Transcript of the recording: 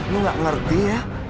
lu nggak ngerti ya